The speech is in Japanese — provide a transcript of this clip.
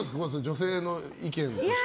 女性の意見としては。